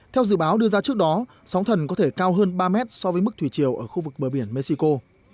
theo dự báo đưa ra trước đó sóng thần có thể cao hơn ba mét so với mức thủy chiều ở khu vực bờ biển mexico